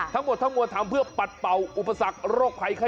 ทั้งหมดทั้งหมดทำเพื่อปัดเป่าอุปสรรค